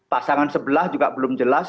pasangan sebelah juga belum jelas